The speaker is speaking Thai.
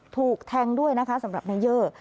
ถูกแทงด้วยนะคะสำหรับนายเยอร์